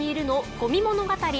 ごみ物語』。